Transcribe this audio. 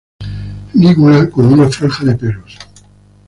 Lígula con una franja de pelos.